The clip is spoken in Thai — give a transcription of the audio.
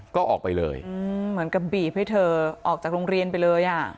ก็ออกไปเลยเหมือนกับบีบให้เธอออกจากโรงเรียนไปเลยอ่ะ